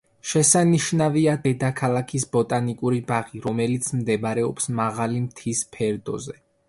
შესანიშნავია დედაქალაქის ბოტანიკური ბაღი, რომელიც მდებარეობს მაღალი მთის ფერდოზე.